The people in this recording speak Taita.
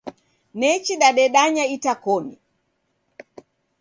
Nechi dadedanya itakoni.